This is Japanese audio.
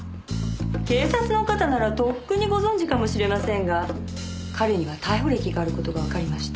警察の方ならとっくにご存じかもしれませんが彼には逮捕歴がある事がわかりました。